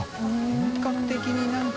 本格的に何か。